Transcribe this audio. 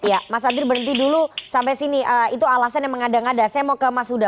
ya mas adir berhenti dulu sampai sini itu alasan yang mengada ngada saya mau ke mas huda